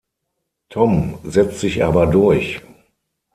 Tom setzt sich aber durch.